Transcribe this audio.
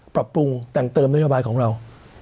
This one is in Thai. ปรับปรุงแต่งเติมนโยบายของเรา